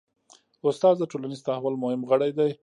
استاد د ټولنیز تحول مهم غړی دی.